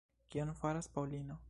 Kion faras Paŭlino?